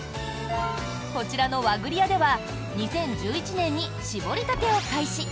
こちらの和栗やでは２０１１年に搾りたてを開始。